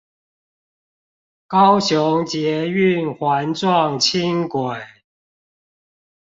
高雄捷運環狀輕軌